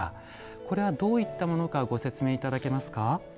これはどういったものかご説明いただけますか。